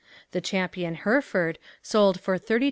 The champion Hereford sold for $32,737.